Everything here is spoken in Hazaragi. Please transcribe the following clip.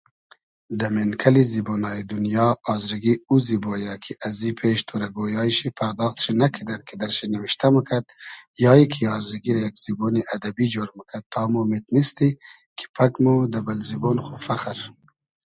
دۂ مېنکئلی زیبۉنایی دونیا آزرگی او زیبۉ یۂ کی ازی پېش تۉرۂ گۉیای شی پئرداخت شی نئکیدئد کی در شی نیمیشتۂ موکئد یا ای کی آزرگی رۂ یئگ زیبۉنی ادئبی جۉر موکئد تا مو میتینیستی کی پئگ مۉ دۂ بئل زیبۉن خو فئخر